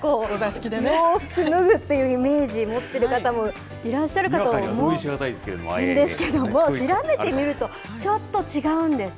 洋服脱ぐっていうイメージを持っている方もいらっしゃるかと思うんですけれども、調べてみると、ちょっと違うんです。